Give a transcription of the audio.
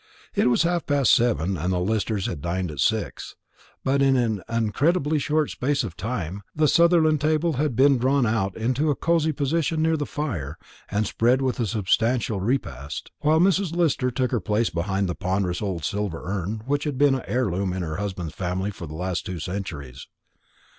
It was half past seven, and the Listers had dined at six: but in an incredibly short space of time the Sutherland table had been drawn out to a cosy position near the fire and spread with a substantial repast, while Mrs. Lister took her place behind the ponderous old silver urn which had been an heirloom in her husband's family for the last two centuries.